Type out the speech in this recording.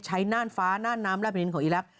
ใช้หน้านฟ้านานน้ำธรรพินินของอิรักษ์